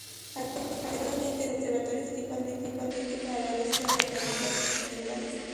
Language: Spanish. Actualmente, el Observatorio se utiliza principalmente para la búsqueda de planetas extrasolares.